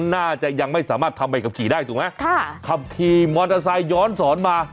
น่าจะยังไม่สามารถทำใบขับขี่ได้ถูกไหมค่ะขับขี่มอเตอร์ไซค์ย้อนสอนมา